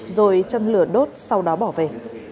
rồi châm lửa đốt sau đó bỏ về